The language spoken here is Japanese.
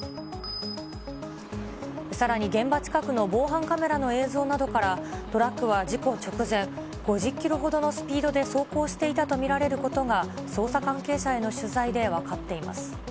さらに現場近くの防犯カメラの映像などから、トラックは事故直前、５０キロほどのスピードで走行していたと見られることが、捜査関係者への取材で分かっています。